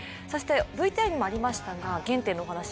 そしてＶＴＲにもありましたが、原点のお話。